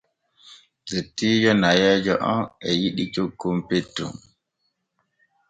Dottiijo nayeeje on e yiɗi cukon petton.